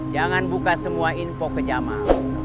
jangan buka semua info ke jamaah